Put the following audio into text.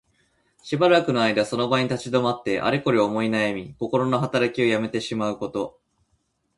しばらくの間その場に立ち止まって、あれこれ思いなやみ、こころのはたらきをやめてしまうこと。